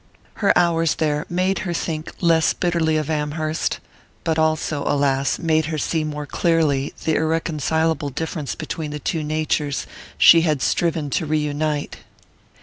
Her hours there made her think less bitterly of Amherst but also, alas, made her see more clearly the irreconcilable difference between the two natures she had striven to reunite.